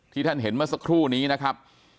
ท่านเห็นเมื่อสักครู่นี้นะครับ